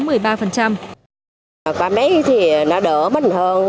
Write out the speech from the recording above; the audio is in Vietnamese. còn đấy thì nó đỡ mình